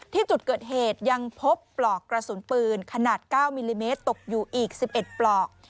ที่จุดเกิดเหตุยังพบปลอกกระสุนปืนขนาด๙มิลลิเมตรตกอยู่อีก๑๑ปลอก